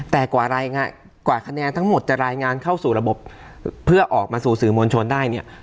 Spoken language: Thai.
แต่กว่ารายงานกว่าคะแนนทั้งหมดจะรายงานเข้าสู่ระบบเพื่อออกมาสู่สื่อมวลชนได้เนี่ย